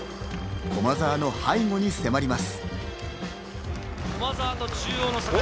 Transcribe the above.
駒澤の背後に迫ります。